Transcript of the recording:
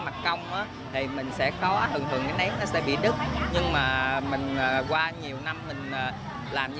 mặt công thì mình sẽ khó thường thường cái nét nó sẽ bị đứt nhưng mà mình qua nhiều năm mình làm như